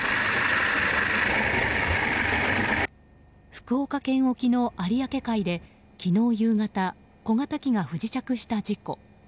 福岡県沖の有明海で昨日夕方小型機が不時着した事故。